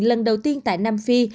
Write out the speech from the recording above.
lần đầu tiên tại nam phi